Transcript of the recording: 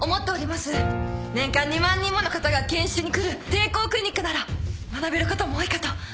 年間２万人もの方が健診に来る帝光クリニックなら学べることも多いかと。